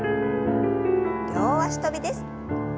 両脚跳びです。